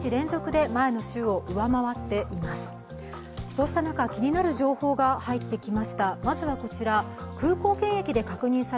そうした中、気になる情報が入ってきました。